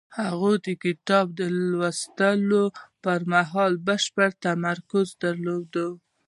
هغه د کتاب لوستلو پر مهال بشپړ تمرکز درلود.